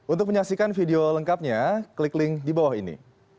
untuk menyaksikan video lengkapnya klik link di bawah ini